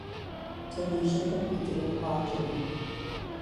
Tunisia competed in archery.